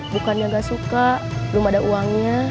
bukannya nggak suka belum ada uangnya